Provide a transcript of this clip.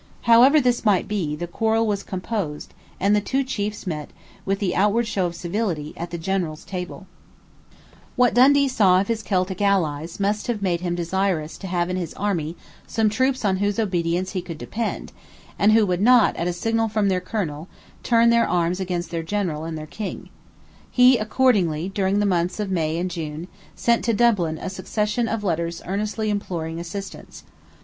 However this might be, the quarrel was composed; and the two chiefs met, with the outward show of civility, at the general's table, What Dundee saw of his Celtic allies must have made him desirous to have in his army some troops on whose obedience he could depend, and who would not, at a signal from their colonel, turn their arms against their general and their king. He accordingly, during the months of May and June, sent to Dublin a succession of letters earnestly imploring assistance.